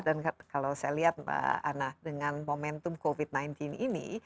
dan kalau saya lihat mbak anna dengan momentum covid sembilan belas ini